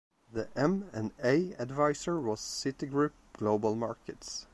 The M and A advisor was Citigroup Global Markets.